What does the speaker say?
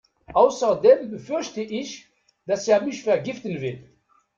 Außerdem befürchte ich, dass er mich vergiften will.